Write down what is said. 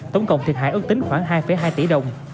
tổng cộng thiệt hại ước tính khoảng hai hai tỷ đồng